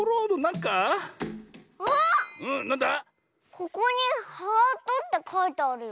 ここに「ハート」ってかいてあるよ。